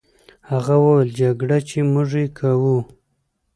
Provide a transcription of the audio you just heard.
هغه وویل: جګړه، چې موږ یې کوو.